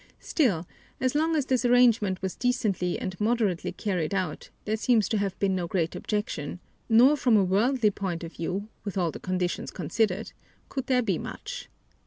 Still, as long as this arrangement was decently and moderately carried out, there seems to have been no great objection, nor from a worldly point of view, with all the conditions considered, could there be much.